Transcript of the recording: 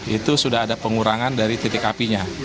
itu sudah ada pengurangan dari titik apinya